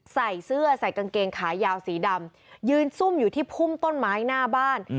ใส่เสื้อใส่กางเกงขายาวสีดำยืนซุ่มอยู่ที่พุ่มต้นไม้หน้าบ้าน